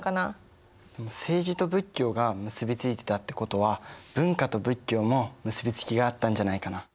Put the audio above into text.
政治と仏教が結び付いてたってことは文化と仏教も結び付きがあったんじゃないかな。